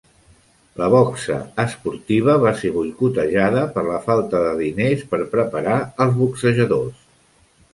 La boxa esportiva va ser boicotejada per la falta de diners per preparar els boxejadors.